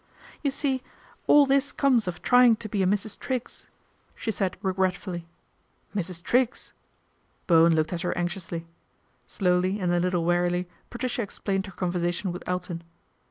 ' You see all this comes of trying to be a Mrs. Triggs," she said regretfully. " Mrs. Triggs !" Bowen looked at her anxiously. Slowly and a little wearily Patricia explained her conversation with Elton.